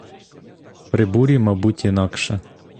При бурі, мабуть, інакше.